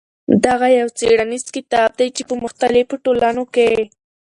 دغه يو څېړنيز کتاب دى چې په مختلفو ټولنو کې.